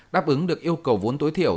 đáp ứng được yêu cầu vốn tối thiểu